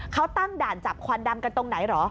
เขาตั้งด่านจับควันดำกันตรงไหนเหรอ